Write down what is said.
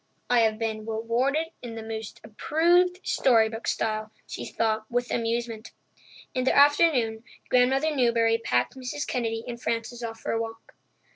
"I've been 'rewarded' in the most approved storybook style," she thought with amusement. In the afternoon, Grandmother Newbury packed Mrs. Kennedy and Frances off for a walk.